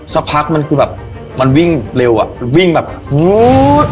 สักพักมันคือแบบมันวิ่งเร็วอ่ะวิ่งแบบฟู๊ด